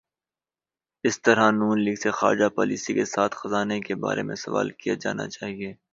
اسی طرح ن لیگ سے خارجہ پالیسی کے ساتھ خزانے کے بارے میں سوال کیا جانا چاہیے۔